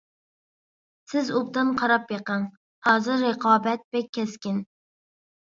سىز ئوبدان قاراپ بېقىڭ، ھازىر رىقابەت بەك كەسكىن.